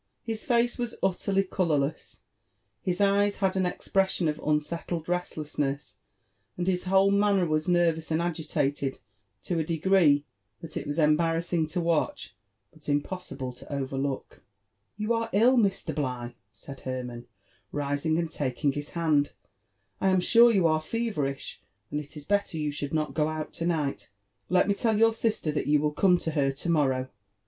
His face was utterly colourless, his eyes had an expres sion of unsettled restlessness, and his whole manner was nervous and agitated to a degree, that it was embarrassing to watch, but impossible to overlook. ''You are ill, Mr. Bligh !" said Hermann, rising and taking his hand ;*' I am sure you are feverish, and it is belter you should not go out to night ;^ei me tell your sister that you will come to her to morrow."